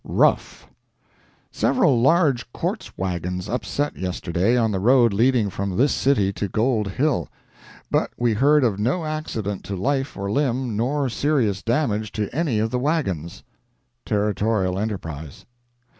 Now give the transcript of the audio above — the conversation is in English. ROUGH.—Several large quartz wagons upset yesterday on the road leading from this city to Gold Hill, but we heard of no accident to life or limb nor serious damage to any of the wagons.—Territorial Enterprise.